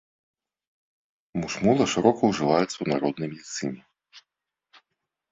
Мушмула шырока ўжываецца ў народнай медыцыне.